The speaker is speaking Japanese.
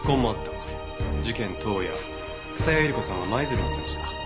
事件当夜草谷ゆり子さんは舞鶴に行ってました。